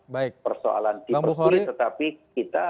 di persilih tetapi kita